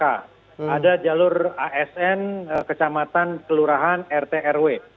ada jalur asn kecamatan kelurahan rt rw